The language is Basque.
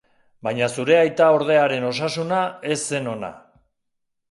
Baina zure aitaordearen osasuna ez zen ona.